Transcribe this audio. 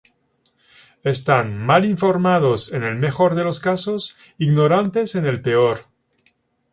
Están mal informados en el mejor de los casos, ignorantes en el peor.